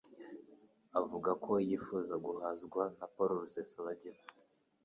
avuga ko yifuza guhuzwa na Paul Rusesabagina